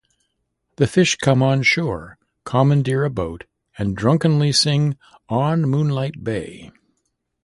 The fish come onshore, commandeer a boat and drunkenly sing 'On Moonlight Bay'.